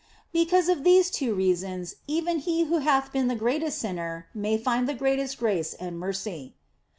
" Because of these two reasons, even he who hath been the greatest sinner may find the greatest grace and mercy."